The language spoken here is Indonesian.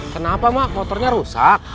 kenapa mak motornya rusak